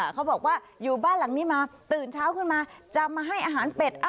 เขาบอกว่าอยู่บ้านหลังนี้มาตื่นเช้าขึ้นมาจะมาให้อาหารเป็ด